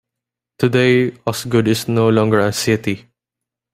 Today, Osgood is no longer a city.